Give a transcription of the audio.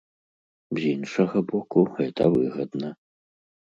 З іншага боку, гэта выгадна.